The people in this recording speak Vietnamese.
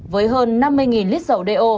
với hơn năm mươi lít dầu đeo